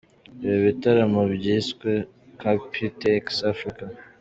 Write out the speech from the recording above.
Ibi bitaramo byiswe ‘Cuppy Takes Africa’.